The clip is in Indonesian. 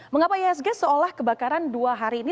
mengapa ihsg seolah kebakaran dua hari ini